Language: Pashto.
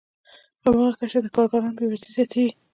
په هماغه کچه د کارګرانو بې وزلي زیاتېږي